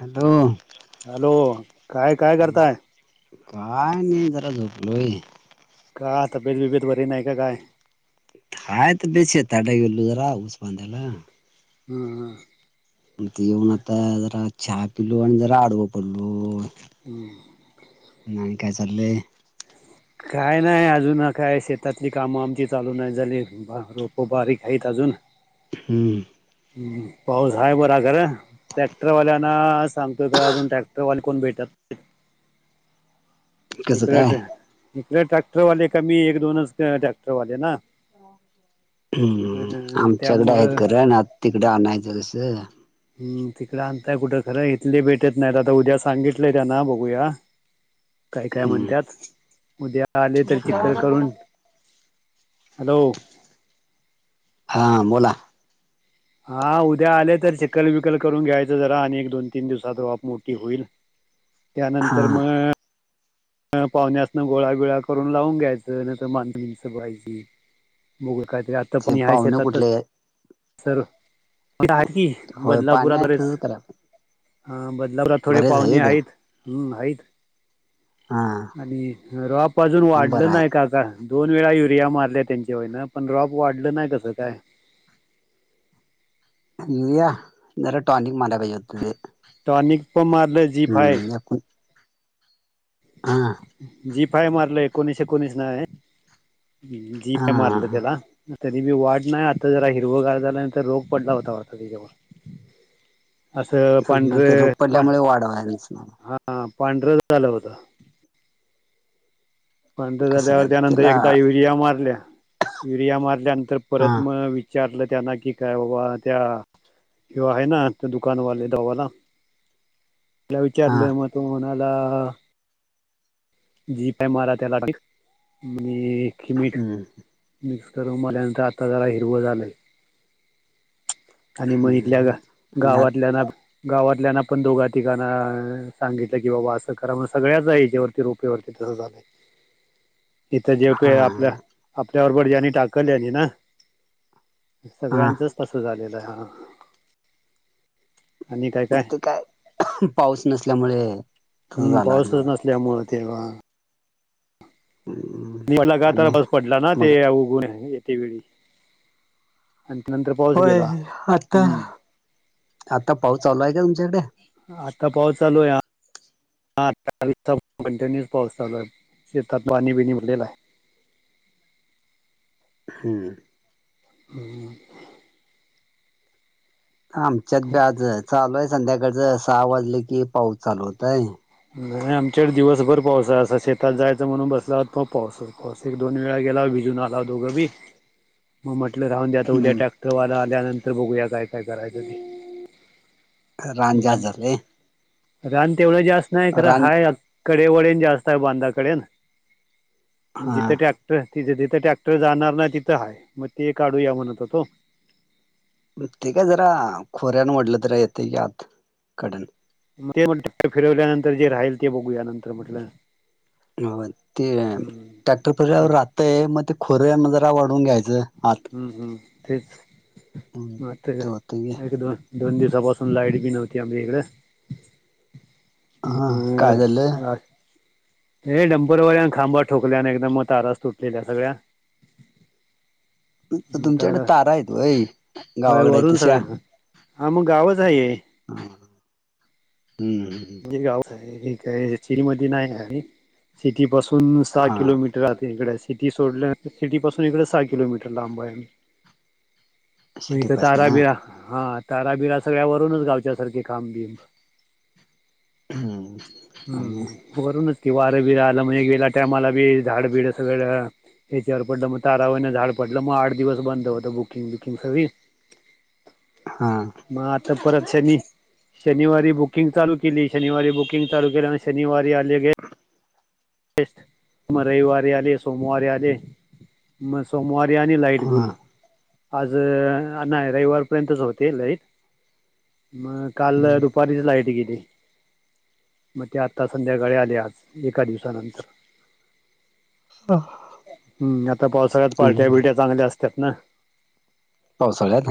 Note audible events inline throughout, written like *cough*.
Hello hello काय काय करताय काय नाही जरा झोपलोय का आता ताबेद बिबेद बर नाही का काय हायत *unintelligible* ह ह म ते येऊन आता जरा चहा पिलो आणि जरा आडव पडलो हम् आणि काय चालले काय नाही आजून काय शेतातली कामंमची चाू नाही झालीत बा रोप बारी हाईत अजून हम्म ् पाऊस आहे बरा घर ट्रॅक्टरवाल्यांना सांगतोय का अजून ट्रॅक्टरवाले कोण भेटात कसं इकडे काय इकडे ट्रॅक्टरवाले कमी एक दोनच ट्रॅक्टरवाले ना हम् आमच्याकड आहेत त्यामुळं खरा ना तिकड आणायचं कसं? ह् तिकड आणताय कुठं खरं इथले भेटत नाहीत आता उद्या सांगितलंय त्याना बघूया. काय काय हम्म म्हणत्यात उद्या आले तरी चिकल करून हॅलो हां बोला! हा उद्या आले तर चिकल बिकल करून घ्यायचं जरा आणि एक दोन तीन दिवसात वाप मोठी होईल. *inaudible* त्यानंतर म पाहुण्यासन गोळा बिळा करून लावून घ्यायचं नाही तर माणस बिनस बघायची. बघूया कायतरी आता पण ते मी हाय पाहुणे शेतातच कुठले तर तिथ होय पाणी बदलापुरात आहे बरेच तसंच करा हा बदलापुरात थोडे बरेच पाहुणे आहेत हाईत हम्म हाइंत. हा आणि रॉप अजून मग बरं वाढलं नाही आहे का का? दोन वेळा युरिया मारल्या त्यांच्यावरण पण रॉप वाढलं नाही कसं काय? युरिया जरा टॉनिक माराय पाहिजे होत ते. टॉनिक पण मारलं जी फाय. हम्म एकूण हा! जी फाय मारलंय एकोणीस एकोणीस नाय जी फाय हा मारलं हा त्याला. तरी बी वाढ नाय आता जरा हिरवगार झाल्या नंतर रोग पडला होता वाटत त्याच्यावर. असं मग ते पांढर रोग पडल्यामुळे वाढवायच नाही हा पांढर झालं होतं. पांढर कसं काय झाल्यावर त्यानंतर तिला एकदा युरिया मारल्या युरिया मारल्यानंतर हा परत मग इचारल त्यांना की काय बाबा ह्यो आहे ना दुकानवाले दवाला *inaudible* त्याला हा विचारल म तो म्हणाला जी फाय मारा त्याला आणि एक हुमिक हम्म मिक्स करून मारल्यानंतर आता जरा हिरवं झालंय. आणि माळीतल्यां हम्म गावातल्याना गावातल्याना पण दोघा तिघांना सांगितलं की बाबा असं करा म्हणून सगळ्याच आहे याच्यावरती रोप इथ जेव हा पे आपल्या आपल्या बडज्यांनी टाकल्यानी ना हा सगळ्यांचच तसं झालेलं हाय हा. आणि काय काय फक्त काय पाऊस नसल्यामुळे तस हम्म झालं पाऊसच असणार नसल्यामूळ तेव्हा हम्म आणि पाऊस पडला ना ते मग उगवून येते वेळी. आणि नंतर पाऊस होय गेला आता हम्म. आता पाऊस चालू आहे का तुमच्याहिकडं? आत्ता पाऊस चालू हाया. कंटिन्युस पाऊस चालू आहे शेतात पाणी बिनी भरलेल आहे. हम्म! *inaudible* आमच्यात बी आज चालू आहे संध्याकाळच सहा वाजले की पाऊस चालू होतंय. नाही आमच्या इकडं दिवसभर पाऊस आहे शेतात जायचं म्हणून बसलो आहोत तर पाऊसच पाऊस एक दोन वेळा गेलाव भिजून आलाव दोघं बी. *inaudible* मग म्हटलं राहुदे आता उद्या हम्म ट्रॅक्टरवाला आल्यानंतर बघूया काय काय करायचं ते. रान हम्म जास्त झालाय. रान तेवढं जास्त नाय खरं रान हाय कडे वडेन जास्त आहे बांधाकडेन. मग हा जिथं ट्रॅक्टर तिथे जिथं ट्रॅक्टर जाणार नाही तिथं हाय मग ते काढूया म्हणत होतो. ते काय जरा खोऱ्यान वडलं तर येतेय की आत कडन. तेच म्हणलं ट्रॅक्टर फिरवल्यानंतर जे राहील ते बघूया नंतर म्हटलं. ते हम्म ट्रॅक्ट फिरवल्यावर हम्म राहतय मग ते खोऱ्यान जरा वडून घ्यायचं. आत हम्म हम्म तेच म आता ते होत की एक दोन दोन दिवसापासून लाईट बी नव्हती आमच्या इकडं. हां काय झालं? हे डंपरवाल्यानं खांबा ठोकल्या आणि एकदम ताराच तुटलेल्या सगळ्या. तर तुमच्याकडं तारा आहेत व्हय होय गावाकडं आहेत वरून तशा? सगळ्यांना हा मग गावच आहे हे हां हम्म. हे गाव हाय हे काय *unintelligible* नाही हाय सिटीपासून *unintelligible* सहा हा किलोमीटर आत हे इकडं सिटी सोडल्यानंतर सिटीपासून इकडं सहा किलोमीटर लांब आहे आम्ही. म हितं सिटीपासन ताराबिरा हां ताराबिरा सगळ्या वरूनच गावच्या सारखे खांब बिम. हम्म. आणि हम्म वरूनच की वारं बीरं आलं म्हणजे गेला टायमाला बी झाड बिड सगळं ह्याच्यावर पडलं मग तारावरनं झाड पडलं मग आठ दिवस बंद होत बुकिंग बिकिंग सगळी. हां. मग आता परत शनी शनिवारी बुकी किंग चालू केली शनिवारी बुकिंग चालू केली आणि शनिवारी आले गे *unintelligible* म रविवारी आले सोमवारी आले. म सोमवारी आणि लाइट हा गुल. आज अ नाही रविवारपर्यंतच होते लाईट मग काल दुपारीच लाईट गेली मग ते आत्ता संध्याकाळी आले आज एका दिव सानंतर. हां. हम्म आता पावसाळ्यात पार्ट्या बिर्ट्या चांगल्या असतात ना. पावसाळ्यात?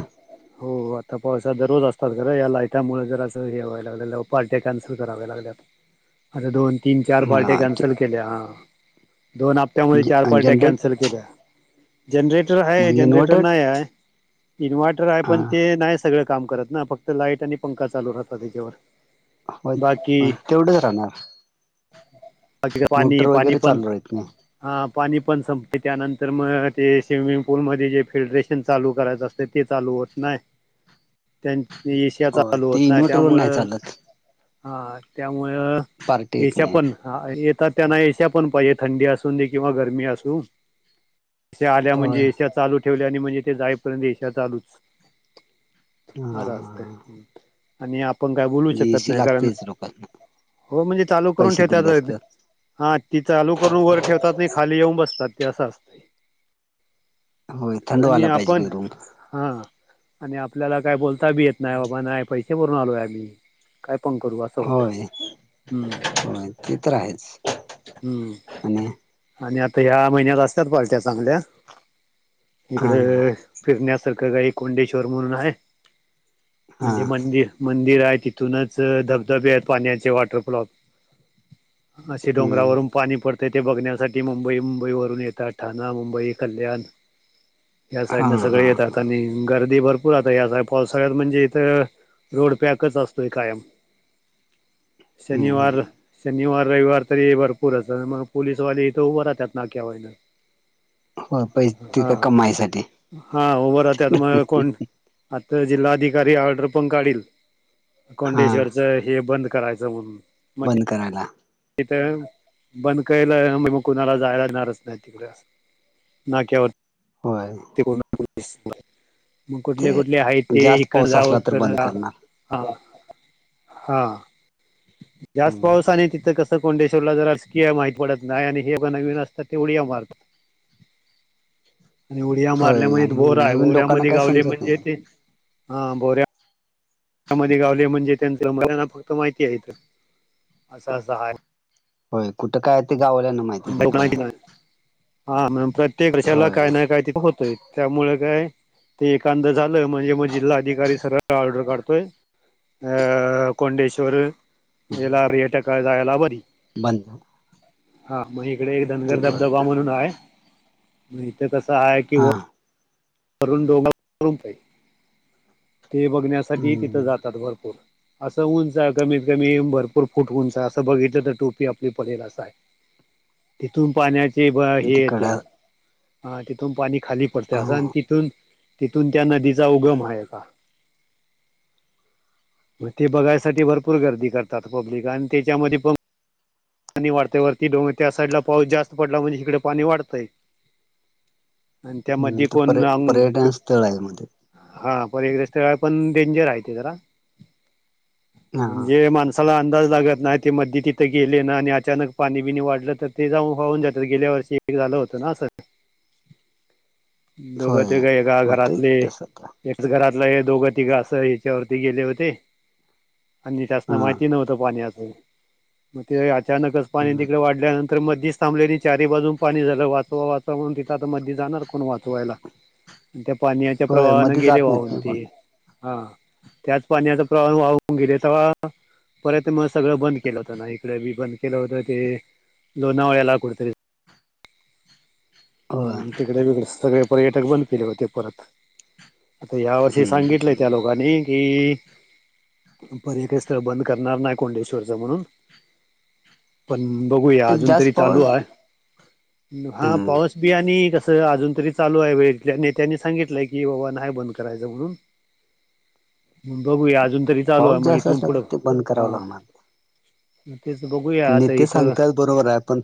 हो आता पावसात दररोज असतात खरं या लायटामुळे जजरासं हे व्हाय लागलेलं पार्ट्या कॅन्सल कराव्या लागल्यात. *inaudible* अरे दोन तीन चार पार्ट्या मग कॅन्सल केल्या दोन आप त्यामुळे चार पार्ट्या जनरेट कॅन्सल केल्या जनरेटर मग आहे जनरेटर इन्व्हर्टर नाही आहे. इन्व्हर्टर आहे पण हा ते नाही सगळं काम करत ना फक्त लाईट आणि पंखा चालू राहतो त्याच्यावर. हां बाकी तेवढंच राहणार. *unintelligible* पाणी मोटर पाणी वगैरे पण चालू राहत नाही हां पाणी पण संपते त्यानंतर मग ते स्विमिंग पूलमध्ये जे फिल्ट्रेशन चालू करायचं अस त ते चालू होत नाही. *inaudible* त्यांनी येस्या हो चालू ते होत नाही इन्व्हर्टरवर त्यामुळं चालत हां त्यामुळं पार्टी येत येस्या नाही पण हां *unintelligible* तर त्यांना येस्या पण पाहिजे थंडी असून दे किंवा गरमी असू. हे आल्या होय म्हणजे येस्या चालू ठेवल्या आणि म्हणजे ते जाईपर्यंत येस्या चालूच. हा अरं असतंय हा हम्म. आणि आपण काय बोलू जी शकत एसी नाही कारण लागतेच लोकांना हो म्हणजे चालू करून पैसे दिले ठेवत्यात. असतात. हां ती चालू करून वर ठेवतात नी खाली येऊन बसतात ते असं असतंय. होय थंड आणि व्हायला पाहिजे आपण की रूम हां आणि आपल्याला काय बोल बी येत नाही बाबा नाही पैसे भरून आलोय आम्ही काय पण करू असं होतं होय आहे होय ते तर आहेच आणि हम्म आणि आता ह्या महिन्यात असत्याात पलट्या चांगल्या हा हिकडं फिरण्यासारखं काय एक कोंडेश्वर म्हणून हाय. हा म्हणजे मंदिर मंदिर आहे तिथूनच धबधबे आहेत पाण्याचे वॉटरफ्लॉप. असे हम्म डोंगरावरून पाणी पडतंय ते बघण्यासाठी मुंबई मुंबईवरून येतात ठाणा मुंबई कल्याण या हा साईडने सगळे हा येतात आणि गर्दी भरपूर आता या्या पावसाळ्यात म्हणजे इथं रोड पॅकच असतोय कायम ह शनिवार शनिवार रविवार तरी भरपूर असत मग पोलिसवाले इथं उभं राहतात ना क्यावाईन हो पैसे हा ते कमाईसाठी हा उभरह त्या तर म कोण? आता जिल्हाधिकारी ऑर्डर पण काढल हा कोंडेश्वरच हे बंद करायचं. जेून बंद करायला. तिथं बंदकायलं म मग कुणाला जायला येणारच नाही तिकडे ना केवत हो. मग कुठले ते कुठले आहेत ते जास्त हिकण पाऊस असला जावत तर कण. बंद करणार हा हा जास्त पावसाने तिथं कस? कोंडेश्वरला जर अजकीय माहित पडत नाही आणि हे बणवीन असतात ते उडिया मारतात. रीकाम आहे. आणि उडया मारल्या म्हणज बोरा भोऱ्यामध्ये काय गावले समजत म्हणजे नाही. ते हा बोऱ्या. गावले म्हणजे त्यांच मलाना फक्त माहिती आहे असं अस. हाय. होय कुठं काय ते गाव वाल्या़ना माहित. मा हा प्रत्येक वर्षाला काय होय ना काय तिथ होतय. त्यामुळे काय ते एकाद झालं म्हणजे मग जिल्हा अधिकारी सर ऑर्डर काढतोय. अ कोंडेश्वर याला पर्यटक जायला बरी बंद. हा मग इकडे एक ते धनगर बघ धबधबा म्हणून आहे मग इथे कस आहे की हा तरून डोंग करून ते बघण्यासाठी तिथं हम्म जातात भरपूर असं उंच आहे कमीत कमी भरपूर फूट उंचा असं बघितलं तर टोपी आपली पडेल अस आहे. रीकाम आहे. तिथून पाण्याचे हे तिकड येते अ तिथून पाणी खाली पडते असं हा ति तिथून तिथून त्या नदीचा उगम आहे का? ग ते बघायसाठी भरपूर गर्दी करतात पब्लिक आणि त्याच्यामध्ये पण पाणी वाढतय वरती डोंगर त्या साईड ला पाऊस जास्त पडला म्हणजे इकडे पाणी वाढतंय. रीकाम आहे. आणि त्यामध्ये कोण? स्थळ आहे मध्ये हा पण एकस पण डेंजर आहेह ते जरा हा म्हणजे माणस असला अंदाज लागत नाही ते मध्ये तिथं गेले ना आणि अचानक पाणी बिणी वाढलं तर ते जाऊन वाहून जात गेल्या वर्षी ठीक झालं होतं ना सर दोघं होय तेघ एका होतय घरातले तस आता एकच घरातलं हे दोघं तिघं असं ह्याच्यावरती गेले होते आणि त्याासना हा माहिती नव्हते. पा अस मग अचानक पाणी हम्म तिकडे वाढल्यानंतर तर मध्येीच थांबलेली चारी बाजून पाणी झालं वाचवा वाचवा म्हण तथं आता म जाणार कोण वाच. वायला त्या पाण्याच्या होय प्रवाहने मध्ये गेले जात नाहीत वाहून नाही कोण ते हा त्याच पाण्याचा प्रवाह वाहून गेले तवा. परत मग सगळं बंद केलं होतं ना इकडे बी बंद केलं होत ते लोणावळ्याला कुठतरी? ह होय तिकडे बिकडे सगळे पर्यटक बंद केले होते परत आता या वर्षी सांगितलंय त्या हम्म लोकांनी कि परक स्थळ बंद करणार नाही कोंडेश्वरच म्हणून पण बघूया अजून तरी जास्त चालू पाऊस आहे हा हम्म पाऊस बि आणि कसं अजून तरी चालू आहे वेळ नेत्यांनी सांगितलंय की बाबा नाही बंद करायचं म्हणून रीकाम आहे. बघूया अजून तरी चालू पाऊस आहे मग जास्त इथून असला तर पुढं ते बंद हा करावं लागणार. तेच बघूया. आता नेते इथं सांगतात बरोबर आहे पण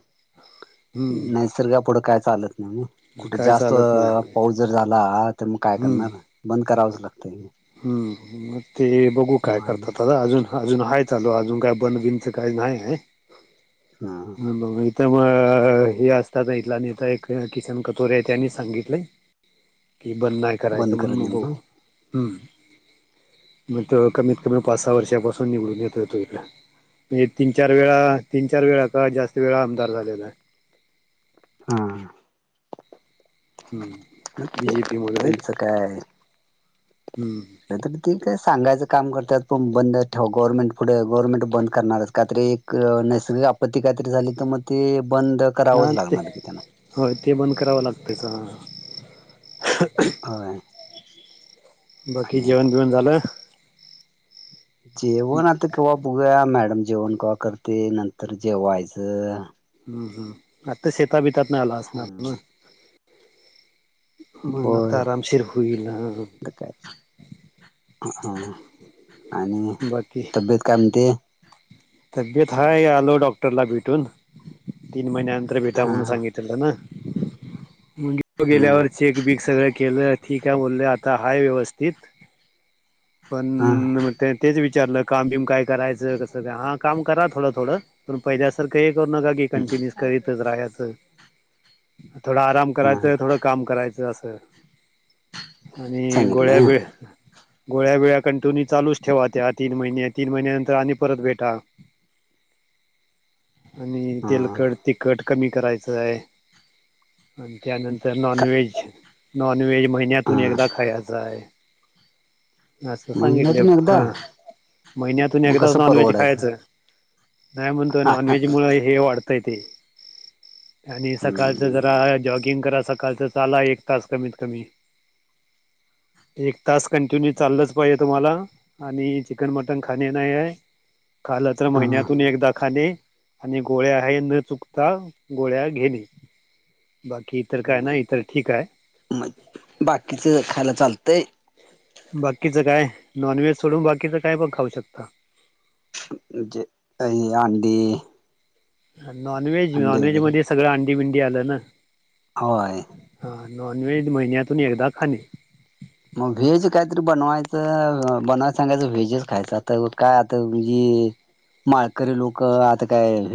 हम्म नैसर्गापुढं काय चालत नाही. कुठे काय जास्त चालत नाही पाऊस जर झाला तर मग काय हम्म करणार बंद करावंच लागतं. हम्म मग ते बघू काय करतात ह आता अजून. अजून आहे चालू अजून काही बन हा. हमं इथं मग हे असतात, इथला आणि इथ किशन कटोरे त्यांनी सांगितले की बंद नाही बंद करायचं करत म्हणून नाही हो. हम् मग तो कमीत कमी पाच सहा वर्षापासून निवडून येतोय तो इकड. म्हणजे तीन चार वेळा तीन चार वेळा का जास्त वेळा आमदार झालेला आहे. हा हम्म बीजेपी मधून आहेत त्यांचं काय. हम्म. नाहीरी ते का सगायचं काम करतात पण बंद ठेव गव्हर्नमेंट पुढे गव्हर्मेंट बंद करणारच काय तरी एक नैसर्गिक आपत्ती काहीतरी झाली तर मग ते बंद हा करावंच ते लागणार की त्यांना होय ते बंद करावं लागतच हा. होय. बाकी आणि जेवण बिवण झालं. जेवण आता केव्हा बघूया मॅडम जेवण केव्हा करते. नंतर जेवायचं. हम्, हम, आता शेताबितात आला असणार ना. हम्म म आता होय आरामशीर होईल हे.. काय ह आणि बाकी तब्येत काय म्हणते. तब्येत हाय आलो डॉक्टरला भेटून तीन महिन्यानंतर भेटा हा म्हणून सांगितलं. हम्म गेल्यावर *unintelligible* चेक बीक सगळं केलं ठीक आहे बोलले आता हा व्यवस्थित. पण हा मग ते तेच विचारलं काम बिम काय करायचं कसं का हा- काम करा थोडं थोडं पण पहिल्यासारख हे करू नका की कंटिन्यूस करीतच राहायच. थोडा आराम हा करायचं थोडं काम करायचं असं. आणि सांगितलंय गोळ्याबिळ्या गोळ्या बीळ्या कंटिन्यू चालूच ठेवा त्या तीन महिन्या तीन महिन्या नंतर आणि परत भेटा. आणि हा तेलकट तिखट कमी करायचं आहे. आणि त्यानंतर नॉन का व्हेज नॉनव्हेज - महिन्यातून हा एकदा खायचं आहे. असं सांगितले महिन्यातून एकदा हा महिन्यातून मग एकदा कसं नॉनव्हेज परवडायचं खायचं. नाही म्हणतो नॉनव्हेज मुळे हे वाढत ते, आणि सकाळच हम्म जरा जॉग- किंग करा सकाळचा चाला एक तास कमीत कमी- *inaudible* एक तास कंटिन्यू चाललंच पाहिजे तुम्हाला आणि चिकन मटन खाणे नाही आहे. खालं तर हा महिन्यातून एकदा खाने- आणि गोळ्या हे न चुकता गोळ्या घेणे बाकी- तर काय नाही, इथं ठीक आहे मग बाकीचं खायला चालतंय. बाकीचं काय, नॉनव्हेज सोडून बाकीचं काय ब खाऊ शकता. जे काही आंडी नॉनव्हेज वगैरे नॉनव्हेजमध्ये सगळं अंडी बिंडी आलं ना. होय. हां, नॉनव्हेजमहिन्यातून एकदा खाने- *inaudible* मग व्हेज कायतरी बनवायचं बनवायला सांगायचं व्हेजच खायचं आता काय आता म्हणजे- माळकरी लोक आता काय